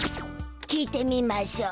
聞いてみましょ。